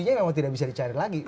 ya memang tidak bisa dicari lagi